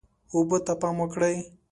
اوبه ته پام وکړئ.